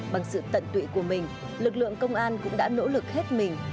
bằng sự tận tụy của mình lực lượng công an cũng đã nỗ lực hết mình